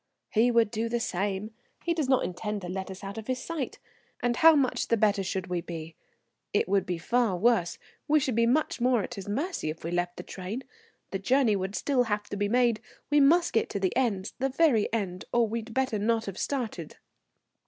"He would do the same. He does not intend to let us out of his sight. And how much the better should we be? It would be far worse; we should be much more at his mercy if we left the train. The journey would still have to be made; we must get to the end, the very end, or we'd better not have started."